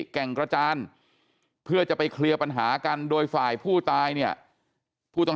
แก่งกระจานเพื่อจะไปเคลียร์ปัญหากันโดยฝ่ายผู้ตายเนี่ยผู้ต้อง